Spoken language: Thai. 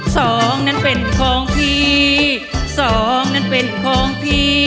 สองนั้นเป็นของพี่สองนั้นเป็นของพี่